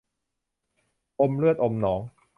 อมเลือดอมหนอง